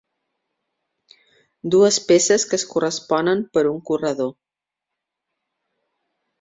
Dues peces que es corresponen per un corredor.